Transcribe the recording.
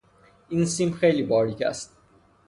این سیم خیلی باریک است.